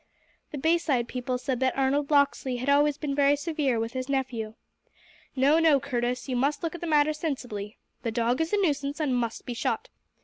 The Bayside people said that Arnold Locksley had always been very severe with his nephew. "No, no, Curtis, you must look at the matter sensibly. The dog is a nuisance and must be shot.